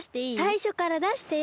さいしょからだしてよ。